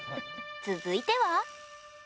続いては。